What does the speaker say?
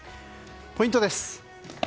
ポイントです。